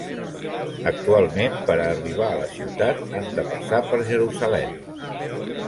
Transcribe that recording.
Actualment, per a arribar a la ciutat han de passar per Jerusalem.